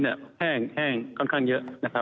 ภูเข้าเจ็บข้างเยอะนะครับ